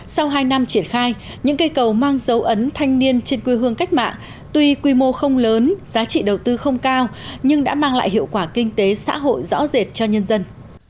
sau hai năm triển khai những cây cầu mang dấu ấn thanh niên trên quê hương cách mạng tuy quy mô không lớn giá trị đầu tư không cao nhưng đã mang lại hiệu quả kinh tế xã hội rõ rệt cho nhân dân